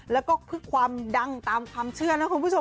แล้วก็คือความดังตามความเชื่อนะคุณผู้ชม